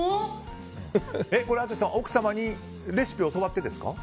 淳さん、奥様にレシピを教わってですか？